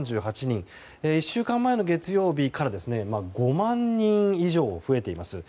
１週間前の月曜日から５万人以上増えています。